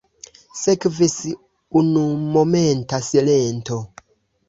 Sekvis unumomenta silento.